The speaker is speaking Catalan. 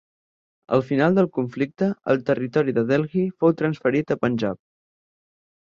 Al final del conflicte el territori de Delhi fou transferit a Panjab.